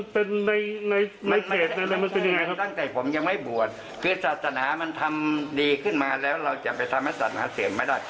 พยายามรักษาศาสนธรรมแล้วก็อันนี้จะดีกว่า